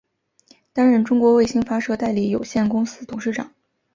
担任中国卫星发射代理有限公司董事长。